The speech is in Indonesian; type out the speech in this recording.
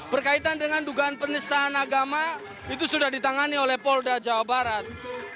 berkaitan dengan dugaan penistaan agama itu sudah ditangani oleh polda jawa barat